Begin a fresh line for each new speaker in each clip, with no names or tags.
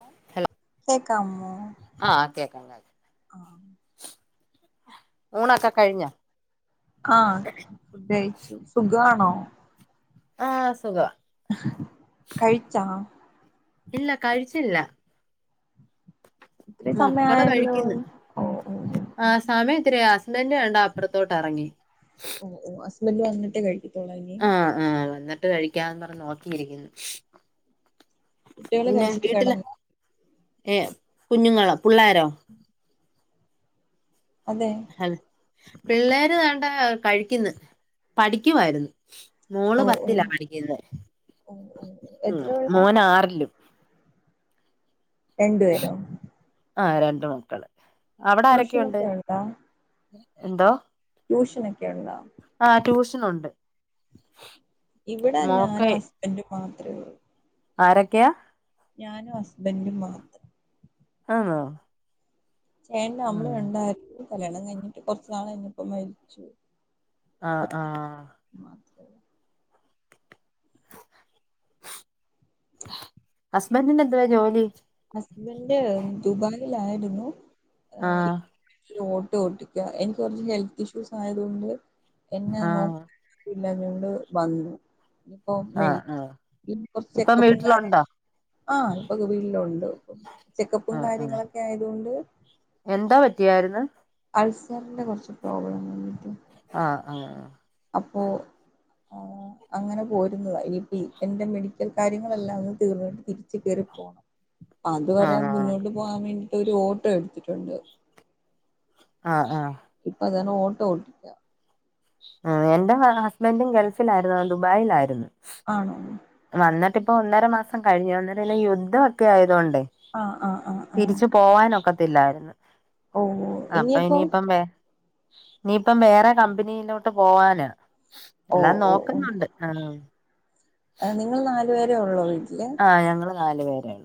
[unintelligible] അമ്മോ.
ആഹ് കേക്ക കേക്കാം ഊണൊക്കെ ഉണോക്കെ കഴിഞ്ഞ.
ആഹ് ഫുഡ് കയിച്ചു സുഖാണോ? [unintelligible]
ആഹ്! സുഖം.
ആഹ് കഴിച്ചോ?
ഇല്ല കഴിച്ചില്ല.
ഒത്തിരി
മക്കള്
സമയായല്ലോ
കഴിക്ക്ന്ന്
ഓ ഓ
ആ സമയെത്രയാ. ‌ബന്റ് കണ്ട അപ്പറത്തോട്ട് എറങ്ങി.
ഓ ഓ [unintelligible] വന്നിട്ടേ കഴിക്കൂ.
ആഹ് ആ വന്ന് ട്ട് കഴിക്കാന്നും പറഞ്ഞ് നോക്കിയിരിക്കുന്നു.
കുട്ടികള് കഴിച്ചിട്ട് കെടന്നു.
ഏ കുഞ്ഞുങ്ങളോ പുള്ളാരോ?
അതെ
അല്ല പിള്ളേര് തേണ്ട കഴിക്ക്ന്ന്, പഠിക്കുവാര്ന്നു. മോള്
ഓ ഓ
പത്തിലാ പഠിക്ക്ന്നേ,
ഓ ഓ
ഉം
എത്ര പിള്ളേര്
മോന് ആറിലും.
രണ്ട് പേരോ?
ണ്ട് മക്കള്. അവിടെ ആരൊക്കെയുണ്ട്
ട്യൂഷനൊക്കെ ആയോ [unintelligible]
എന്തോ
ട്യൂഷനൊക്കെയൊണ്ടോ?
നൊണ്ട്.
ഇവിടെ ഞാനും ഹസ്ബന്റും മാത്രേള്ളൂ.
ആരൊക്കെയാ?
ഞാനും ഹസ്ബന്റും മാത്രം.
ആന്നോ.
ചേട്ടന്റെ അമ്മ
ഉം
ഒണ്ടായിര്ന്നു. കല്ല്യാണം കഴിഞ്ഞിട്ട് കൊറച്ച് നാള് കഴിഞ്ഞപ്പം മരിച്ചു.
ആ ആഹ്
മാത്രേ
ഹസ്ബന്റിന് എന്തുവാ ജോലി?
ഹസ്ബന്റ് ദുബായിലായിരുന്നു.
ആഹ്
ട്ട് ഒട്ടിക്ക എനിക്ക് കൊറച്ച് ഹെൽത്ത് ഇഷ്യൂസ് ആയത് കൊണ്ട് എന്നാ നോ
ആഹ്
ഇല്ലതോണ്ട് വന്നു. ഇപ്പോ
ആഹ്
മേടിക്ക
ആഹ്
[unintelligible] കൊറച്ച്
ഇപ്പം
ചെക്കപ്പും കാര്യ
വീട്ടിലുണ്ടോ
[unintelligible] ആ ഇപ്പോ വീട്ടിലൊണ് പ്പം ചെക്കപ്പും
ആഹ് ആഹ്
കാര്യങ്ങളൊക്കെ ആയത് കൊണ്ട്
എന്താ പറ്റിയാര്ന്ന്
അൾസറിൻ്റെ കൊറച്ച് പ്രോബ്ലം കിട്ട്
ആഹ് ആഹ് ആഹ്
അപ്പോ അങ്ങനെ പോരുന്നതാ [unintelligible] ഇപ്പ എന്റെ മെഡിക്കൽ കാര്യങ്ങളെല്ലാം ഒന്ന് തീർന്നിട്ട് തിരിച്ച് കേറിപ്പോണം അത് വരെ
ആഹ്
മുന്നോട്ട് പോആൻ വേണ്ടി ഒരു ഓട്ടെ എടുത്തിട്ടുണ്ട്
ആഹ്ആഹ്
ഇപ്പതനെ ഓട്ടോ ഓട്ടിക്കാ
ആ എന്റെ ഹസ്ബൻറും ഗൾഫിലായിര്ന്നു ദുബായിലായിര്ന്നു
ആണോ
ആ ഇന്നട്ടിപ്പോ ഒന്നര മാസം കഴിഞ്ഞു ഒന്ന [unintelligible] ല്ല യുദ്ധം ഒക്കെ ആയതൊണ്ട്
ആഹ് ആഹ് ആഹ് ആഹ്
തിരിച്ചു പോവാനൊക്കെ ത്തില്ലായിരുന്നു
ഓ ഇഞ്പ്പൊം
നീപ്പം വേറെ കമ്പനിയിലോട്ട് പോവാന് ലെ
ഓ
എല്ലാം നോക്കുന്നുണ്ട് ഉം
എ നിങ്ങൾ നാലു പേർ ഒള്ളൊളി
ആഹ് ഞങ്ങള് നാല് പേരാളെ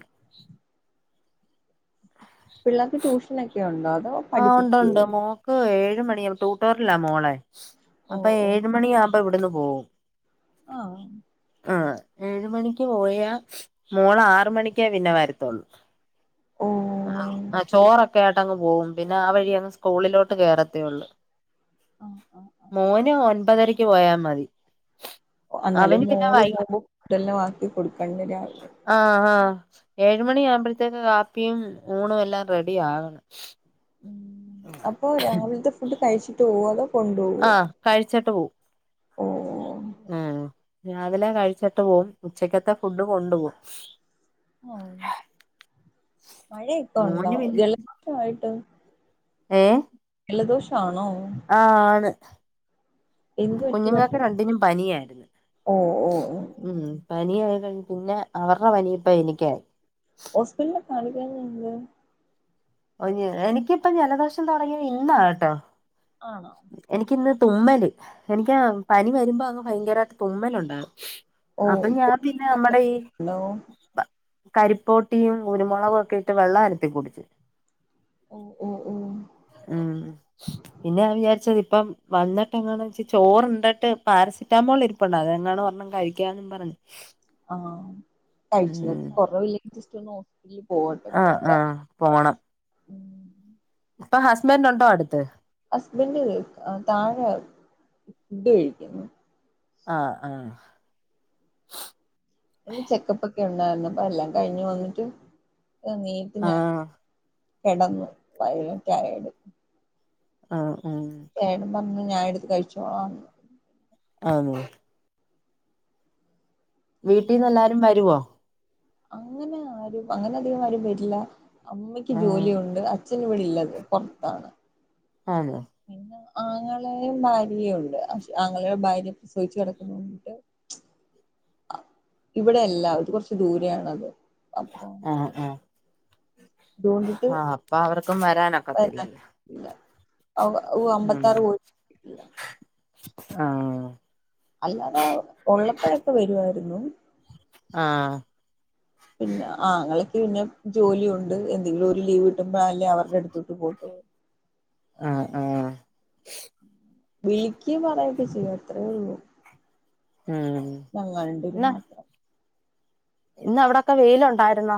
പിള്ളേർക്ക് ട്യൂഷന ഒക്കെ ഉണ്ടോ അതോ
ആഹ് ഉണ്ട്
പഠിപ്പിക്കുവോ
ഉണ്ട് മോക്ക് ഏഴു മണി ങ്ങൾ തൂട്ടോറല്ലാ മോളെ
ഓ
അപ്പൊ
ഓ
ഏഴ് മണി ആവ പ്പ ഇവിടെന്ന് പോകും
ആഹ്
ആ ഏഴു മണിക്ക് പോയ മോളാറ് മണിക്കേ പിന്നെ വരത്തൊള്ളു
ഓ
ആ ചോറൊക്കെ ആയിട്ട് അങ്ങ് പോകും പിന്നെ ആ വഴി അങ്ങ് സ്കൂളിലോട്ട് കേയറത്തേ ഉള്ളു
ആഹ് ആഹ് ആഹ്
മോന് ഒൻപതര യ്ക്പോയാ മതി
എന്നാലും
അവന് പിന്നെ
മോള്
വൈ
പോകും ട്ടല്ലൊ ആക്കി കൊടുക്കേണ്ട രാവില്ലേ
ഏഴു മണി ആവുമ്പോഴത്തേക്ക് അ കുപ്പിയും ഊണും എല്ലാം റെഡി ആകണ്
ഉം അപ്പൊ രാവിൽത്തെ ഫുഡ് കഴിച്ചിട്ട് പോവാതം
ആഹ് കാഴ്ച്ച്ട്ട് പോവും
ഒ ഓ
ഉം രാവിലെ കഴിച്ചിട്ട് പോവും ഉച്ചക്കത്തെ ഫുഡ് കൊണ്ടു പോവും
ആ മഴയിപ്പ ഉണ്ടോ ജലദോഷയിട്ട്
ഏ
ജലദോഷാണോ?
ആ ആണ്
എന്ത് പറ്റി
കുഞ്ഞുങ്ങൾക്ക്
പെട്ടെന്ന്
രണ്ടിനും പനിയായിരുന്നു
ഓ ഓ ഓ
ഉം പനിയായി കഴി പിന്നെ അവർടെ പനി ഇപ്പ എനിക്കായി
ഹോസ്പിറ്റല് കാണിക്കാഞ്ഞ എന്ത്
ഒന് എനിക്കിപ്പം ജലദോഷം തുടങ്ങിയത് ഇന്നാ ട്ടോ
ആണോ
എനിക്കിന്ന് തുമ്മല് എനിക്ക് പനി വരുമ്പോ അങ്ങ് ഭയങ്കര തുമ്മല് ഉണ്ടാവും
ഓ
അപ്പം ഞാൻ പിന്നെ നമ്മുടെ ഈ
പോയിട്ടുണ്ടോ
കരിപ്പോട്ടിയും കുരുമുളകും ഒക്കെ ഇട്ട് വെള്ളം അനത്തി കുടിച്ചു
ഓ ഓ ഓ
ഉം പിന്നെൻ വിചാരിച്ചത് ഇപ്പം വന്നിട്ട് എങ്ങാണും വെച്ച ചോറ്ണ്ട് ട്ട് പാരസിറ്റാമോൾ ഇരിപ്പുണ്ട് അതെങ്ങാണോ ണം കഴിക്കാന്നും പറഞ്
ആഹ് കഴിച്ചുനോക്കി കൊറവില്ലെങ്കി ജ സ്റ്റൊന്നു ഹോ
ആ ആ പോണം ഇപ്പ ഹസ്ബന്റ് ഉണ്ടോ അടുത്ത്
ഹസ്ബൻഡ് താഴെ ഫുഡ് കഴിക്കുന്നു
ആ ആ
ഉണ്ടായിന്നു അപ്പ എല്ലാം കഴിഞ്ഞ് വന്നിട്ട് എനീട്ട് ഞാൻ
ആഹ്
കിടന്ന് വയലറ്റായടി
ആ ഉം
ന്ന് ഞായെടുത്ത് കഴിച്ചോളാന്ന് [unintelligible]
ആന്ന് വീട്ടീന്ന് എല്ലാരും വരുവോ
അങ്ങനെ ആരും അങ്ങനെ അധികം ആരും വരില്ല അമ്മയ്ക്ക്
ആഹ്
ജോലി ഉണ്ട് അച്ഛൻ ഇവിടെയില്ല പൊർത്താണ്
ആണ്
പിന്നെ ആങ്ങളെയും ഭാര്യയും ഉണ്ട് അശ് ആങ്ങള്യടെ ഭാര്യ പ്രസവിച്ചു കിടക്കുണോണ്ടിട്ട് ഇവിടെയല്ല അവര് കൊറച്ച് ദൂരെയാണത് അപ്പൊ
ആ ആ
അതുകൊണ്ടിട്ട്
ആ അപ്പ അവർക്കും വരാനൊക്കത്തില്ലല്ലോ
അബൂഊ അമ്പത്താറ് കോഴട്ടില്ല
ആഹ്ആ
അല്ലാതെ ഉള്ളപ്പഴെക്കെ വരുവായിരുന്നു
ആഹ്ആ
പിന്നെ ആങ്ങളക്ക് പിന്നെ ജോലിഒണ്ട് എന്തെങ്കിലും ഒരു ലീവ് കിട്ടുമ്പോല്ലേ അവരുടെ അടുത്തോട്ട് പോവത്തൊളു
ആഹ് ആഹ്ആ
വീക്കി പറയെകെ ചെയ്യും അത്രയേ ഉള്ളൂ
ആഹ്
ഞങ്ങൾ രണ്ടുപേരും
ആഹ്ആ
മാത്രം
ഇന്നവിടൊക്കെ വെയിലുണ്ടായിരുന്നോ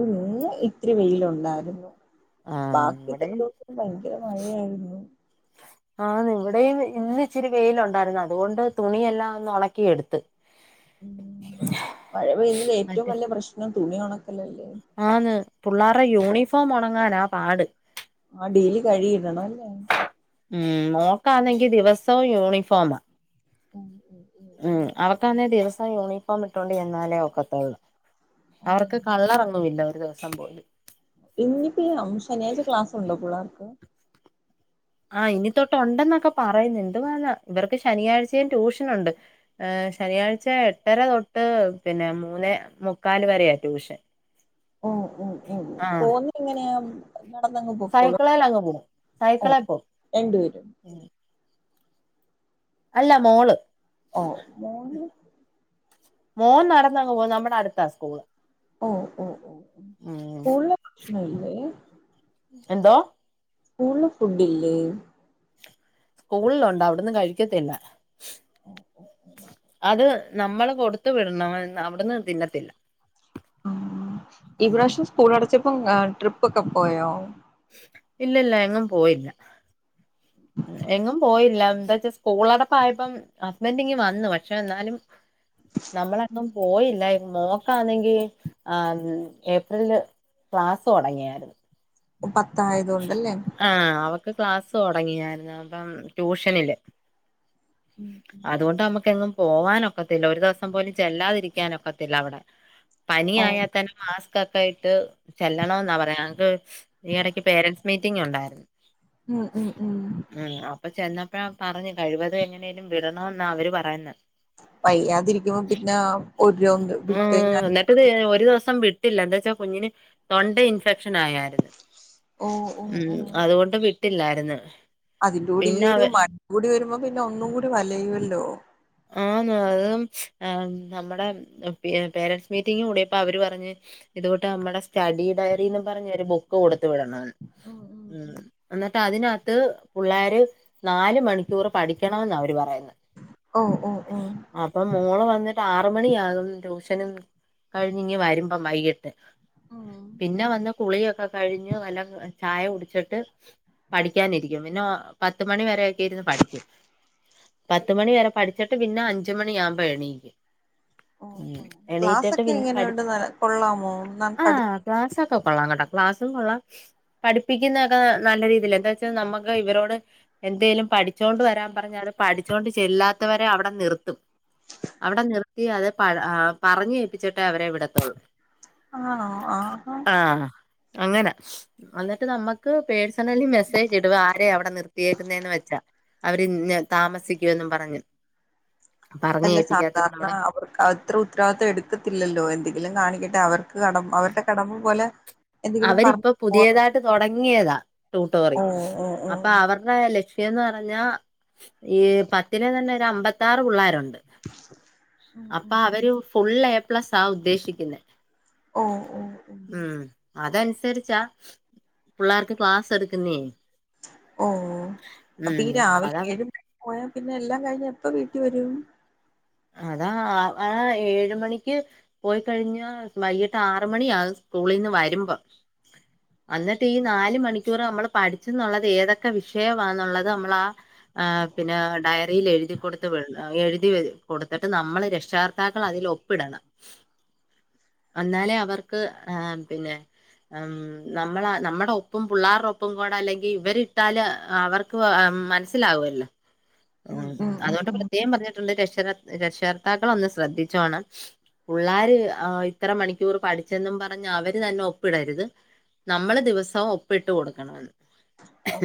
ഏഹ് ഇതിരി വെയിലുണ്ടായിരുന്നു
ആഹ്
ബാക്കി ഇത്ര
ഇവിടെയും
ദിസം ഭയങ്കര മഴയായിരുന്നു
ആന്ന് ഇവിടെയും ഇന്ന് ഇച്ചിരി വെയിലുണ്ടായിരുന്നു അതുകൊണ്ട് തുണിയെല്ലാം ഒന്ന് ഉണക്കിയെടുത്ത്
ഉംഹ് മഴപെയ്തതിൽ ഏറ്റവും
മറ്റേ
വലിയ പ്രശ്നം തുണി ഉണക്കല്ലല്ലേ
ആന്ന് പുള്ളാർടെ യൂണിഫോം ഉണങ്ങനാ പാട്
ടേലി കഴിടണൊല്ലേ
ഉംഹ് മോക്കാന്നെങ്കി ദിവസവും യൂണിഫോം
ഉംഹ്
ഉംഹ് അവക്കാന്നേ ദിവസം യൂണിഫോം ഇട്ടോണ്ട് ചെന്നാലേ ഒക്കത്തോള്ളൂ അവർക്ക്
ഉം
കളറൊന്നു ഇല്ല ഒര് ദിവസം പോലും
ഇനിപ്പ ശനിയാഴ്ച ക്ലാസുണ്ടോ പിള്ളേർക്ക്
ആ ഇനി തൊട്ടുണ്ടെന്നൊക്കെ പറയുന്നുണ്ട് ആഹ്ആ ഇവർക്ക് ശനിയാഴ്ചയും ട്യൂഷനുണ്ട് ഏ ശനിയാഴ്ച എട്ടര തൊട്ട് പിന്നെ മൂന്നേമുക്കാൽ വരെയ ട്യൂഷൻ
ഉം ഉം ഉം
ആഹ്ആ
പോവുന്നെ എങ്ങനെയാ നടന്നങ്ങ് പൊക്കോളൂ
സൈക്കിളേല് അങ്ങ് പോവും സൈക്കിളെ
ഓഹ്
പോവും
രണ്ടുപേരും
അല്ല മോള്
ഓഹ് മൊന്
മോൻ നടന്നങ് പോവും നമ്മുടെ അടുത്താ സ്കൂള്
ഓഹ് ഓഹ് ഓഹ്
ഉം
ഓ സ്കുള് നിലേ
എന്തോ
സ്കൂള് ഫുഡ് ഇല്ലേ
സ്കൂളിലുണ്ട് അവിടന്ന് കഴിക്കത്തില്ല അത് നമ്മള് കൊടുത്തു വിടണം അവിടന്ന് തിന്നത്തില്ല
ഉംഹ് ഈ
ഉം
പ്രാവശ്യം സ്കൂളടചപ ട്രിപ്പൊക്ക പോയോ
ഇല്ല ഇല്ല എങ്ങും പോയില്ല എങ്ങും പോയില്ല എന്താച്ചാ സ്കൂളടപ്പായപ്പോ ഹസ്ബൻഡ് ഇങ്ങ് വന്നു പക്ഷെ എന്നാലും നമ്മൾ അന്നും പോയില്ല മോൾക്കാന്നെങ്കി ആ ഏപ്രിലില് ക്ലാസ്സ് തുടങ്ങിയായിരുന്നു
പത്ത് തായതൊണ്ടല്ലേ
ക് ക്ലാസ്സ് തുടങ്ങിയായിരുന്നു അപ്പം ട്യൂഷനില്
ഉം
അതുകൊണ്ട് നമ്മുക്ക് എങ്ങും പോവാനൊക്കത്തില്ല ഒരു ദിവസം പോലും ചെല്ലാതിരിക്കാനൊക്കത്തില്ല അവിടെ
ഓഹ്
പനിയായാ തന്നെ മാ ക്കൊക്കെ ഇട്ട് ചെല്ലണം എന്നാ പറയണ നമ്മക് ഈയട പേരൻറ്സ് മീറ്റിംഗ് ഉണ്ടായിരുന്നു
ഉം ഉം ഉം
ഇപ്പ പറഞ്ഞു കഴിവത് എങ്ങനേലും വിടണന്ന് അവര് പറയന്ന്
വയ്യാതിരിക്കുമ്പോ പിന്നെ ഓരോന്ന്
ആ
വിട്ട് ഞാൻ
എന്നട്ടത് ഒരു ദിവസം വിട്ടു വിട്ടില്ല എന്താ വച്ചാ കുഞ്ഞിന് തൊണ്ട ഇൻഫെക്ഷൻ അങ്ങനെയായിരുന്നു
ഓ ഓ ഓ
ഉം അതുകൊണ്ട് പോയിട്ടില്ലായിരുന്നു
അതിന്റെ കൂടി ഈ ഒരു മഴ കൂടി വരുമ്പോ പിന്നെ ഒന്നും കൂടി വലയുമല്ലോ
ആ അതും നമ്മുടെ പേരൻറ്സ് മീറ്റിംഗ കൂടിയപ്പോ അവര് പറഞ്ഞഞ് ഇതുകൂട്ട് നമ്മുടെ സ്റ്റഡി ഡയറിന് പറഞ്ഞൊരു ബുക്ക് ബോഡ് വിടണന്
ഉം
എന്നിട്ട് അതിനത്തു ഇത് പിള്ളാര് നാല മണിക്കൂർ പഠിക്കണമെന്ന് അവര് പറയുന്നു
ഉം ഉം ഓ ഓ ഓ
അപ്പം മോൾ വന്നിട്ട് ആറ് മണിയാക്കും ട്യൂഷന്‌ പിന്നെ കഴിഞ്ഞ ഇങ്ങ വരും അപ്പം വൈകിട്ട്
ഉം
പിന്നെ വന്ന് കുളിയൊക്കെ കഴിഞ്ഞ് വല്ല ചായ കുടി ചിട്ട് പഠിക്കാനിരിക്കും പിന്നെ പത്തുമണി വരക്കെ ഇരുന്ന് പഠിക്കും പത്തുമണി വരെ പഠ ചിട്ട് പിന്നെ അഞ്ച മണി ആകുമ്പോ എണീക്ക്
ക്ലാസ് ഒക്കെ
പഠിച്ച
ഇങ്ങനെയണ്ട് കൊള്ളാമോ പഠി
ആഹ് ക്ലാസ്സൊക്കെ കൊള്ളാം കേട്ടോ ക്ലാസ്സും കൊള്ളാം പഠിപ്പിക്കുന്നതൊക്കെ നല്ല രീതിയിൽ എന്താ വെച്ചാൽ നമുക്ക് ഇവരോട് എന്തേലും പഠിച്ചോണ്ടണ്ട് വരാൻ പറഞ്ഞാണ് പഠിച്ചുകൊണ്ട് ചെല്ലാ ത്തവരെ അവിടെ നിർത്തും അവിടെ നിർത്തി അത് പറഞ്ഞുകേൽപ്പിച്ചിട്ടെ അവരെ വിടെത്തോള്
ആണോ ആഹ്
അങ്ങനെ അന്നിട്ട് നമ്മുക്ക് പേഴ് സണലി മെസ്സേജ് ഇടും ആരേയാ അവിടെ നിർത്തിയേക്കുന്നെന്ന് വെച്ചാ അവര് താമസിക്കുവെന്നും പറഞ്ഞ് പറഞ്ഞ്
അല്ല
ഏൽപ്പിക്കാത്തോണ്ട്
സാധാരണ
അവിടെ
അവർക്ക് അത്ര ഉത്തരവാദിത്തംഎടുക്കത്തില്ലല്ലോ എന്തെങ്കിലും കാണിക്കട്ടെ അ അവർക്ക് കടം അവരുടെ കടമ്പം പോലെ എന്തെങ്കിലും
അവരിപ്പൊ
പറഞ്ഞു പോ
പുതിയതായിട്ട് തുടങ്ങിയതാ ട്യൂട്ടോറി
ഓ ഓ ഓ
അപ്പൊ അവരുടെ ലക്ഷ ന്ന് പറഞ്ഞാ ഈ പത്തിനെ തന്നെ അമ്പത്താറ് പുള്ളാരുണ്ട്
ഉം
അപ്പൊ
ഉം ഉം
അവര് ഫുൾ ഫുള്ള് എ പ്ലസ് ആ ഉദ്ദേശിക്കുന്നേ
ഓ ഓ ഓ
അതനുസരിച്ചാ പുള്ളാർക്ക് ക്ലാസ് എടുക്കുന്നേ
ഓ അപ്പൊ ഈ
ഉം
രാവിലെ
അതാ
ഏഴ് മണിക്ക് പോയാ പിന്നെ എല്ലാം കഴിഞ്ഞ് എപ്പ വീട്ടി വരും
അതാ ആ ഏഴ് മണിക്ക് പോയി കഴിഞ്ഞ വൈകിട്ട് ആറ് മണിയാകും സ്കൂളിൽ നിന്ന് വരുമ്പം അന്നിട്ട് ഈ നാല് മണിക്കൂർ നമ്മൾ പഠിച്ചുന്നുള്ളത് ഏതൊക്കെ വിഷയവാന്നുള്ളത് നമ്മൾ ആ പിന്നെ ഡയറിയിൽ എഴുതി കൊടുത്ത് വിടണം എഴുതി കൊടുത്തിട്ട് നമ്മൾ രക്ഷകർത്താക്കൾ അതിൽ ഒപ്പിടണം എന്നാലേ അവർക്ക് ആ പിന്നെ നമ്മള നമ്മുടെ ഒപ്പും പിള്ളേരുടെ ഒപ്പം കൂടെ അല്ലെങ്കിൽ ഇവരിട്ടാല് അവർക്ക് മനസ്സിലാകുവല്ലോ ആ
ഉം ഉം ഉം
അതുകൊണ്ട്
ഉം
[unintelligible] കം പറഞ്ഞിട്ടുണ്ട് രക്ഷ രക്ഷകർത്താക്കൾ ഒന്ന് ശ്രദ്ധിച്ചോണം പിള്ളാര് ആ ഇത്ര മണിക്കൂർ പഠിച്ചെന്നും പറഞ്ഞ് അവര് തന്നെ ഒപ്പിടരുത് നമ്മള് ദിവസവും ഒപ്പിട്ടു കൊടുക്കണെന്ന്
ഓ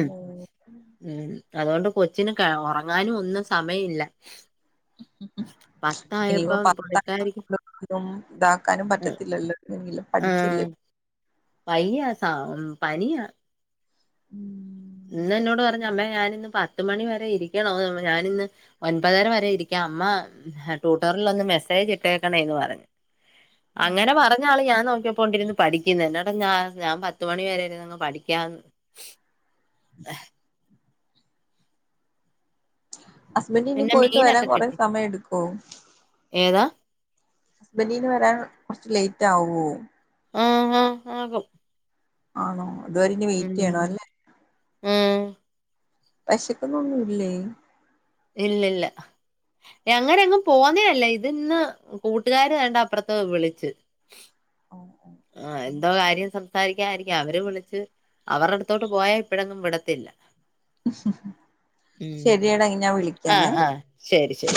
ഉ അതുകൊണ്ട് കൊച്ചിന് ക ഒറ ങ്ങാനും ഒന്നും സമയവില്ല
ഇനിപ്പോ
പുള്ളിക്കാരിക്ക്
പത്തും ഇതാക്കാനും പറ്റത്തില്ലല്ലോ പഠിച്ചല്ലേ
ആഹ് വയ്യ സ പനിയാ
ഉം
ഇന്ന് എന്നോട് പറഞ്ഞ് അമ്മേ ഞാനിന്ന് പത്തുമണി വരെ ഇരിക്കണോ ഞാനിന്ന് ഒൻപതര വരെ ഇരിക്കാം അമ്മ ട്യൂട്ടോറിൽ ഒന്ന് മെസ്സേജ് ഇട്ടേക്കണേന്ന് പറഞ്ഞ്
ഉം
അങ്ങനെ പറഞ്ഞ ആള് ഞാൻ നോക്കിയപ്പോണ്ടിരിന്ന് പഠിക്കുന്ന് എന്നാട്ടാ ഞാ ഞാൻ പത്തുമണി വരൊയിരുന്നങ്ങ് പഠിക്കാന്ന് [unintelligible]
ഹസ്ബൻഡ് ഇനി
പിന്നെ
പോയിട്ട് വരാൻ
മീനൊക്കെ
കൊറെേ
കിട്ടി
സമയം എടുക്കോ
ഏതാ
ഹസ്ബൻഡ് ന് വരാൻ കുറച്ച് ലേറ്റ് റ്റ് ആവോ
ആഹ് ആഹ് ആകും
ആണോ അതുവരെ ഇനി വെയിറ്റ് ചെയ്യണം അല്ലേ
ആഹ്
വിശക്കന്നൊന്നും ഇല്ലേ
ഇല്ല ഇല്ല അങ്ങനെ അങ്ങ് പോന്നേല്ല ഇതിന്ന് കൂട്ടുകാര് ദാണ്ട് അപ്പുറത്ത് വിളിച്ചു ആ എന്തോ കാര്യം സംസാരിക്കായിരിക്കും അവർ വിളിച്ച് അവരു അടുത്തോട്ട് പോയാ ഇപ്പഴങ്ങും വിടത്തില്ല ഉം
ശരിയാട ഞാൻ വിളിക്കാമേ
ആഹ് ആഹ് ശരി ശരി